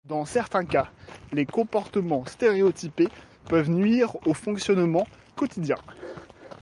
Dans certains cas, les comportements stéréotypés peuvent nuire au fonctionnement quotidien.